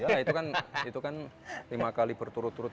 ya itu kan lima kali berturut turut